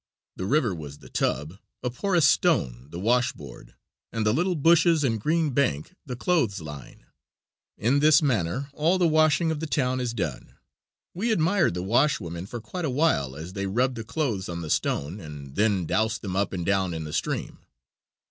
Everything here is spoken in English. The river was the tub, a porous stone the washboard, and the little bushes and green bank the clothesline. In this manner all the washing of the town is done. We admired the washwomen for quite a while as they rubbed the clothes on the stone and then doused them up and down in the stream.